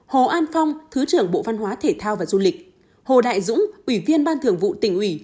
hồ an phong thứ trưởng bộ văn hóa thể thao và du lịch hồ đại dũng ủy viên ban thường vụ tỉnh ủy